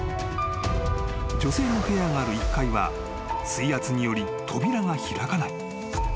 ［女性の部屋がある１階は水圧により扉が開かない］